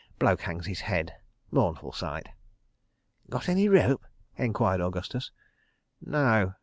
Bloke hangs his head. Mournful sight. ..." "Got any rope?" enquired Augustus. "No!